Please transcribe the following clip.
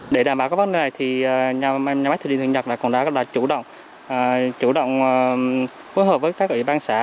để đảm bảo các vấn đề này thì nhà máy thủy điện thượng nhật đã chủ động phối hợp với các ủy ban xã